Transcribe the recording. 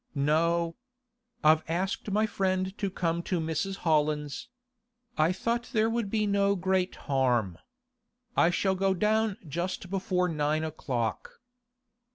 'No. I've asked my friend to come to Mrs. Holland's. I thought there would be no great harm. I shall go down just before nine o'clock.